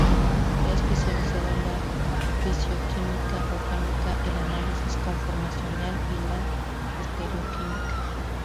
Se ha especializado en la fisicoquímica orgánica, el análisis conformacional, y la estereoquímica.